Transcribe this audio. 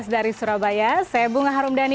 dari surabaya saya bunga harumdani